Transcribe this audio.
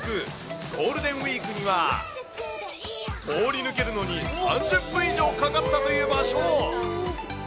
ゴールデンウィークには、通り抜けるのに３０分以上かかったという場所も。